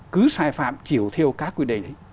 cứ sai phạm chiều theo các quy định